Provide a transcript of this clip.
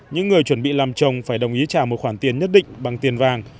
những người chuẩn bị làm chồng phải đồng ý trả một khoản tiền nhất định bằng tiền vàng